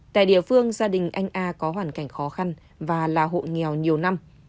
tại địa phương gia đình anh a có hoàn cảnh khó khăn và là hộ nghèo nhiều năm